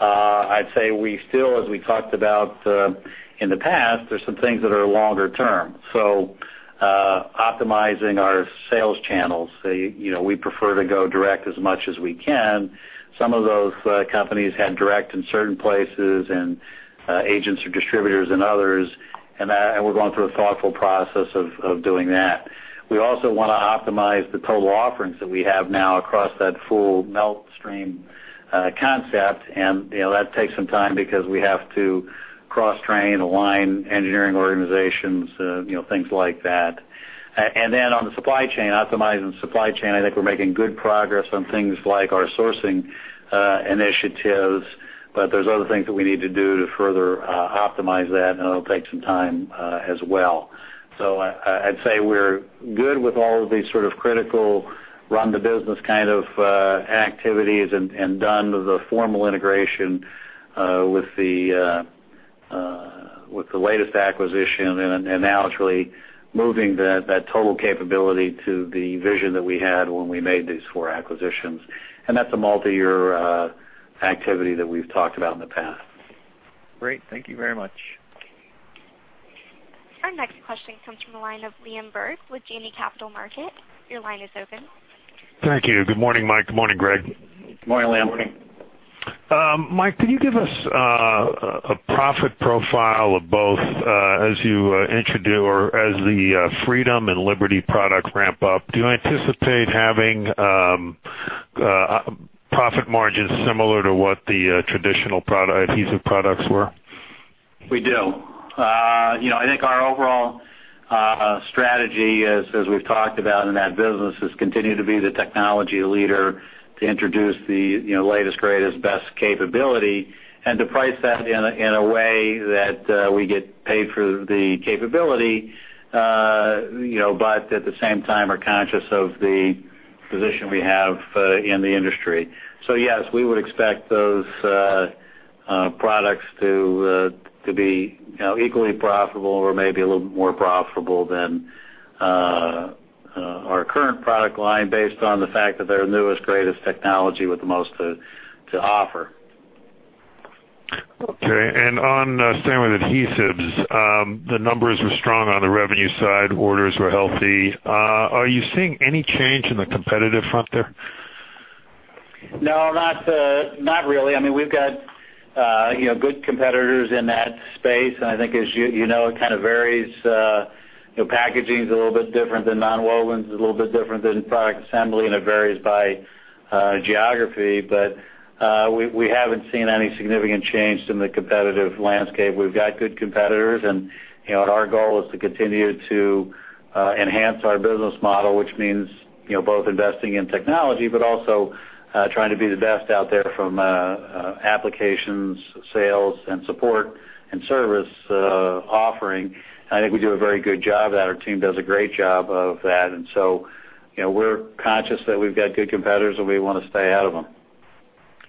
I'd say we still, as we talked about, in the past, there's some things that are longer term. Optimizing our sales channels, you know, we prefer to go direct as much as we can. Some of those companies had direct in certain places and agents or distributors in others. We're going through a thoughtful process of doing that. We also wanna optimize the total offerings that we have now across that full melt stream concept. You know, that takes some time because we have to cross-train, align engineering organizations, you know, things like that. Then on the supply chain, optimizing the supply chain, I think we're making good progress on things like our sourcing initiatives, but there's other things that we need to do to further optimize that, and it'll take some time, as well. I'd say we're good with all of these sort of critical run the business kind of activities and done the formal integration with the latest acquisition and now it's really moving that total capability to the vision that we had when we made these four acquisitions. That's a multiyear activity that we've talked about in the past. Great. Thank you very much. Our next question comes from the line of Liam Burke with Janney Capital Markets. Your line is open. Thank you. Good morning, Mike. Good morning, Greg. Good morning, Liam. Morning. Mike, can you give us a profit profile of both as you introduce or as the Freedom and Liberty products ramp up? Do you anticipate having profit margins similar to what the traditional adhesive products were? We do. You know, I think our overall strategy as we've talked about in that business is continue to be the technology leader to introduce the, you know, latest, greatest, best capability and to price that in a way that we get paid for the capability, you know, but at the same time, are conscious of the position we have in the industry. Yes, we would expect those products to be, you know, equally profitable or maybe a little bit more profitable than our current product line based on the fact that they're newest, greatest technology with the most to offer. Okay. On staying with adhesives, the numbers were strong on the revenue side. Orders were healthy. Are you seeing any change in the competitive front there? No, not really. I mean, we've got, you know, good competitors in that space. I think, as you know, it kind of varies. You know, packaging is a little bit different than nonwovens. It's a little bit different than product assembly, and it varies by geography. We haven't seen any significant change in the competitive landscape. We've got good competitors, and, you know, our goal is to continue to enhance our business model, which means, you know, both investing in technology but also trying to be the best out there from applications, sales, and support and service offering. I think we do a very good job of that. Our team does a great job of that. You know, we're conscious that we've got good competitors, and we wanna stay ahead of them.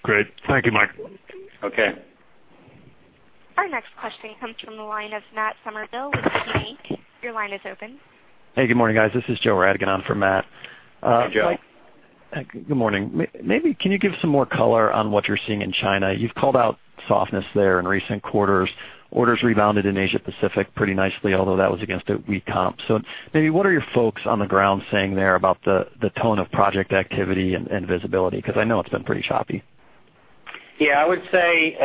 Great. Thank you, Mike. Okay. Our next question comes from the line of Matt Summerville with Jefferies. Your line is open. Hey, good morning, guys. This is Joe Radigan on for Matt. Hey, Joe. Good morning. Maybe, can you give some more color on what you're seeing in China? You've called out softness there in recent quarters. Orders rebounded in Asia Pacific pretty nicely, although that was against a weak comp. Maybe what are your folks on the ground saying there about the tone of project activity and visibility? 'Cause I know it's been pretty choppy. Yeah, I would say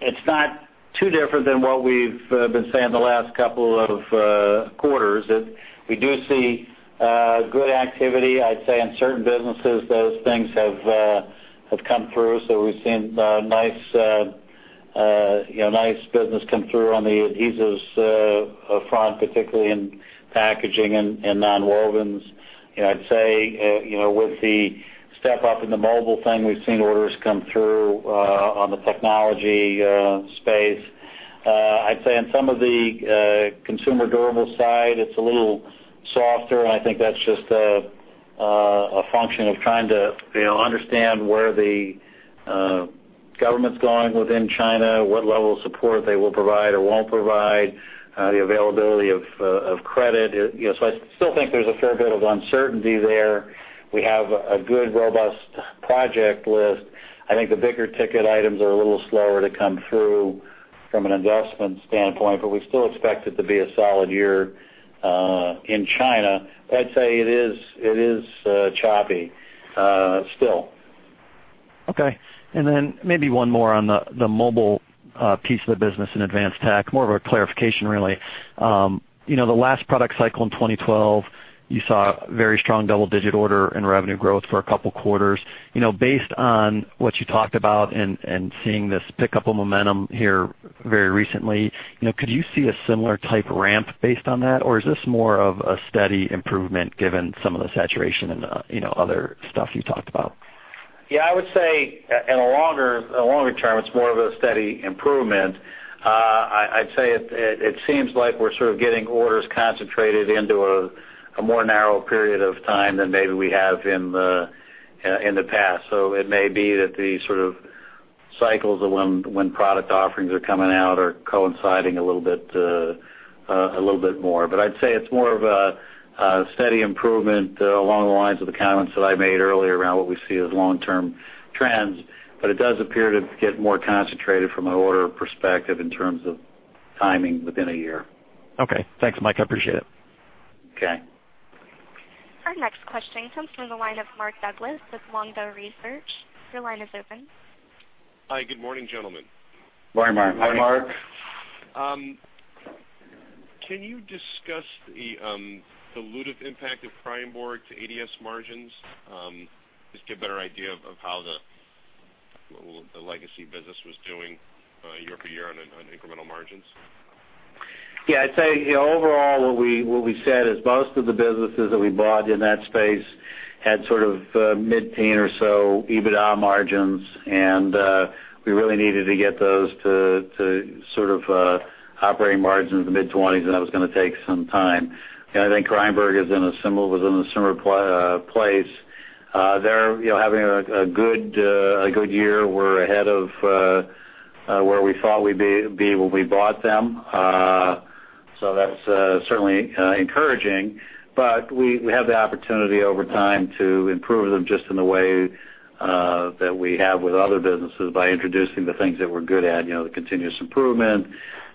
it's not too different than what we've been saying the last couple of quarters. That we do see good activity. I'd say in certain businesses, those things have come through. We've seen nice, you know, nice business come through on the adhesives front, particularly in packaging and nonwovens. You know, I'd say, you know, with the step-up in the mobile thing, we've seen orders come through on the technology space. I'd say on some of the consumer durable side, it's a little softer, and I think that's just a function of trying to, you know, understand where the government's going within China, what level of support they will provide or won't provide, the availability of credit. You know, I still think there's a fair bit of uncertainty there. We have a good, robust project list. I think the bigger ticket items are a little slower to come through from an investment standpoint, but we still expect it to be a solid year in China. I'd say it is choppy still. Okay. Maybe one more on the mobile piece of the business in advanced tech. More of a clarification, really. You know, the last product cycle in 2012, you saw very strong double-digit order and revenue growth for a couple quarters. You know, based on what you talked about and seeing this pickup of momentum here very recently, you know, could you see a similar type ramp based on that? Or is this more of a steady improvement given some of the saturation and you know, other stuff you talked about? Yeah, I would say in a longer term, it's more of a steady improvement. I'd say it seems like we're sort of getting orders concentrated into a more narrow period of time than maybe we have in the past. It may be that the sort of cycles of when product offerings are coming out are coinciding a little bit more. I'd say it's more of a steady improvement along the lines of the comments that I made earlier around what we see as long-term trends. It does appear to get more concentrated from an order perspective in terms of timing within a year. Okay. Thanks, Mike. I appreciate it. Okay. Our next question comes from the line of Mark Douglass with Longbow Research. Your line is open. Hi. Good morning, gentlemen. Morning, Mark. Morning, Mark. Can you discuss the dilutive impact of Kreyenborg to ADS margins, just to get a better idea of how the legacy business was doing, year over year on incremental margins? Yeah. I'd say, you know, overall what we said is most of the businesses that we bought in that space had sort of mid-teen or so EBITDA margins, and we really needed to get those to sort of operating margins mid-twenties, and that was gonna take some time. I think Kreyenborg was in a similar place. They're, you know, having a good year. We're ahead of where we thought we'd be when we bought them. So that's certainly encouraging. We have the opportunity over time to improve them just in the way that we have with other businesses by introducing the things that we're good at, you know, the continuous improvement,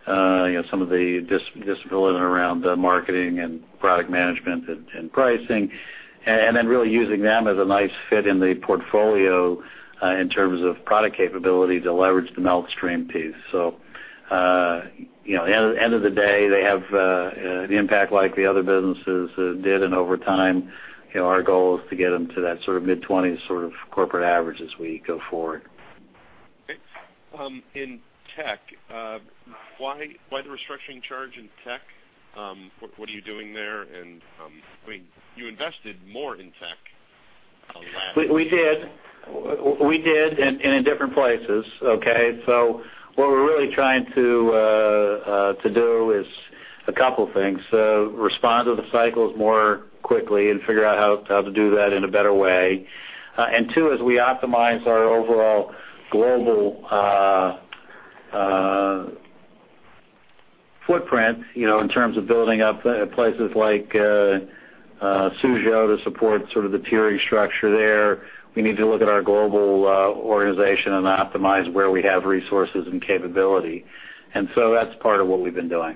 you know, some of the discipline around the marketing and product management and pricing. Then really using them as a nice fit in the portfolio in terms of product capability to leverage the melt stream piece. End of the day, they have the impact like the other businesses did, and over time, you know, our goal is to get them to that sort of mid-twenties sort of corporate average as we go forward. Okay. In tech, why the restructuring charge in tech? What are you doing there? I mean, you invested more in tech last year. We did and in different places, okay? What we're really trying to do is a couple things. Respond to the cycles more quickly and figure out how to do that in a better way. Two, as we optimize our overall global footprint, you know, in terms of building up places like Suzhou to support sort of the tiering structure there, we need to look at our global organization and optimize where we have resources and capability. That's part of what we've been doing.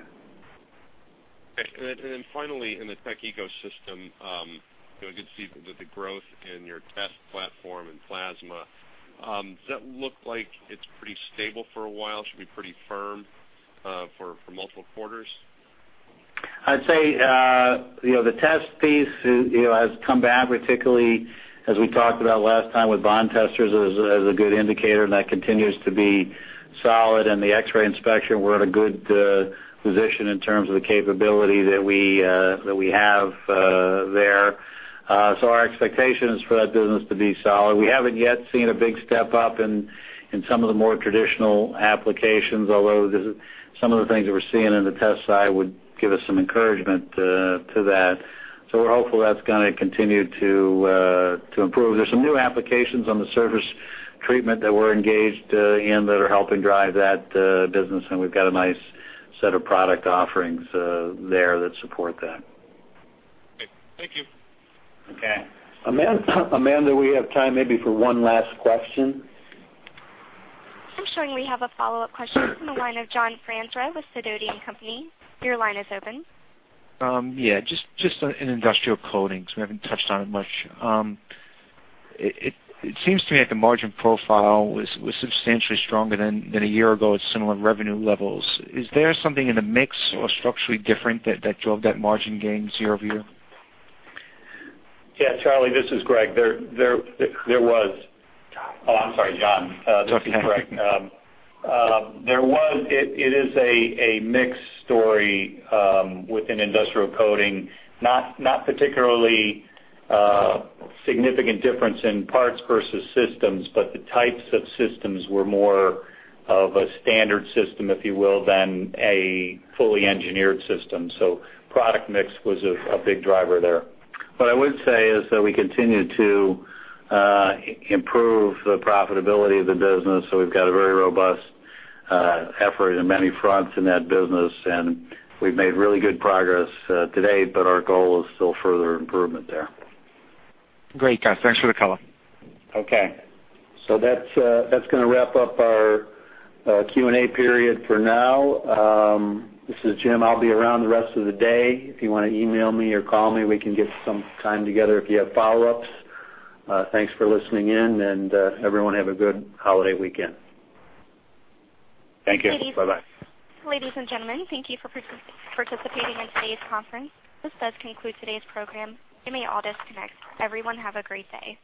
Finally, in the tech ecosystem, you know, good to see the growth in your test platform and plasma. Does that look like it's pretty stable for a while? Should be pretty firm for multiple quarters? I'd say, you know, the test piece, you know, has come back, particularly as we talked about last time with bond testers as a good indicator, and that continues to be solid. In the X-ray inspection, we're at a good position in terms of the capability that we have there. So our expectation is for that business to be solid. We haven't yet seen a big step up in some of the more traditional applications, although some of the things that we're seeing in the test side would give us some encouragement to that. So we're hopeful that's gonna continue to improve. There's some new applications on the surface treatment that we're engaged in that are helping drive that business, and we've got a nice set of product offerings there that support that. Great. Thank you. Okay. Amanda, we have time maybe for one last question. I'm showing we have a follow-up question from the line of John Franzreb with Sidoti & Company. Your line is open. Yeah, just in industrial coatings. We haven't touched on it much. It seems to me like the margin profile was substantially stronger than a year ago at similar revenue levels. Is there something in the mix or structurally different that drove that margin gains year over year? Yeah, Charlie, this is Greg. There was- John. Oh, I'm sorry, John. That's okay. This is Greg. It is a mixed story within Industrial Coating, not particularly significant difference in parts versus systems, but the types of systems were more of a standard system, if you will, than a fully engineered system. Product mix was a big driver there. What I would say is that we continue to improve the profitability of the business, so we've got a very robust effort on many fronts in that business, and we've made really good progress to date, but our goal is still further improvement there. Great, guys. Thanks for the color. Okay. That's gonna wrap up our Q&A period for now. This is Jim. I'll be around the rest of the day. If you wanna email me or call me, we can get some time together if you have follow-ups. Thanks for listening in, and everyone have a good holiday weekend. Thank you. Bye-bye. Ladies and gentlemen, thank you for participating in today's conference. This does conclude today's program. You may all disconnect. Everyone, have a great day.